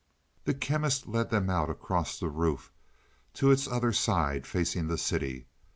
The Chemist led them out across the roof to its other side facing the city.